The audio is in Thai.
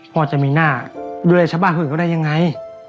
พ่อจะมีหน้าดูแลชะบ้างก็ได้ยังไง